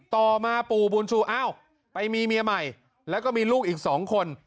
ต่อมาปู่บุญชูอ้าวไปมีเมียใหม่แล้วก็มีลูกอีก๒คน